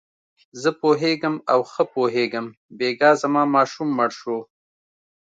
زه پوهېږم او ښه پوهېږم، بېګا زما ماشوم مړ شو.